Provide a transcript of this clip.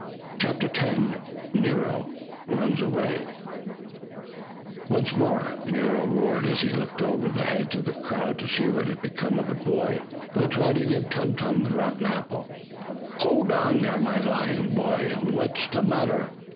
CHAPTER X NERO RUNS AWAY Once more Nero roared as he looked over the heads of the crowd to see what had become of the boy who had tried to give Tum Tum the rotten apple. "Hold on there, my lion boy! What's the matter?